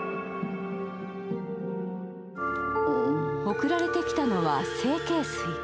送られてきたのは整形水。